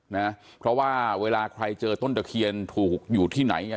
นะเพราะว่าเวลาใครเจอต้นตะเคียนถูกอยู่ที่ไหนเนี่ย